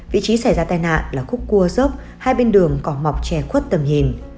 vị trí xảy ra tai nạn là khúc cua dốc hai bên đường có mọc trè khuất tầm nhìn